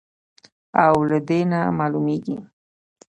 او له دې نه معلومېږي،